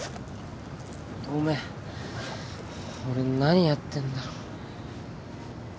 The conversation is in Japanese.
ごめん俺何やってんだろう